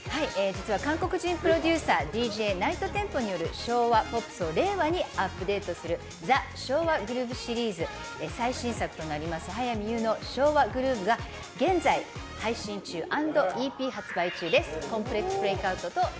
韓国人プロデューサー・ＤＪＮｉｇｈｔＴｅｍｐｏによる昭和ポップスを令和にアップデートする「昭和グルーヴ」シリーズ最新作となります早見優の「昭和グルーヴ」が現在配信中＆ＥＰ発売中です。